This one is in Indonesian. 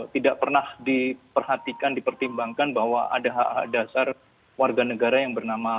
tidak pernah diperhatikan dipertimbangkan bahwa ada hak hak dasar warga negara yang bernama